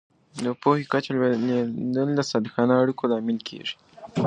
د پوهې کچه لوړېدل د صادقانه اړیکو لامل کېږي.